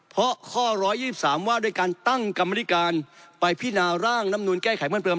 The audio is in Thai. เพราะข้อ๑๒๓ว่าด้วยการตั้งกรรมนิการไปพินาร่างลำนูลแก้ไขเพิ่มเติม